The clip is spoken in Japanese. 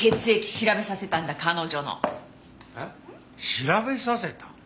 調べさせた？